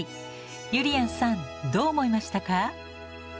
ゆりやんさんどう思いましたか？